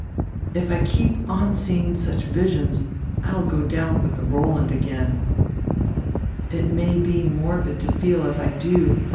If I keep on seeing such visions, I'll go down with the Roland again. "It may be morbid to feel as I do.